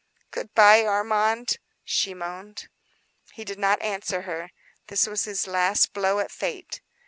"Good by, Armand," she moaned. He did not answer her. That was his last blow at fate.